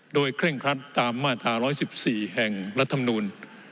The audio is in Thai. โดยเคร่งครัดตามมาตรา๑๑๔แห่งรัฐมนูล